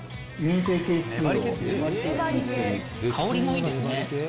香りもいいですね。